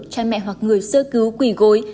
cha mẹ hoặc người sư cứu quỳ gối